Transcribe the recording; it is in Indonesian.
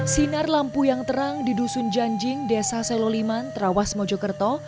sinar lampu yang terang di dusun janjing desa seloliman terawas mojokerto